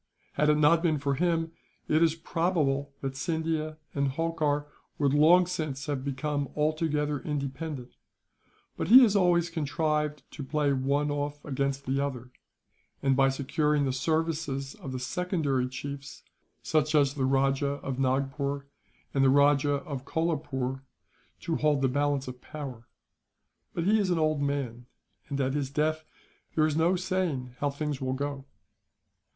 Had it not been for him, it is probable that Scindia and Holkar would long since have become altogether independent; but he has always contrived to play one off against the other and, by securing the services of the secondary chiefs, such as the Rajah of Nagpore and the Rajah of Kolapoore, to hold the balance of power; but he is an old man, and at his death there is no saying how things will go.